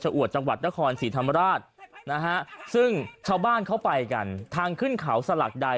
อวดจังหวัดนครศรีธรรมราชนะฮะซึ่งชาวบ้านเขาไปกันทางขึ้นเขาสลักใด